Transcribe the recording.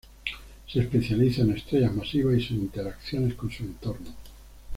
Se especializa en estrellas masivas y sus interacciones con su entorno.